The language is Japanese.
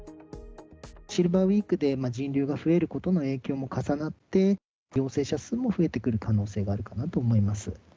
シルバーウィークで人流が増えることの影響も重なって、陽性者数も増えてくる可能性があるかなと思います。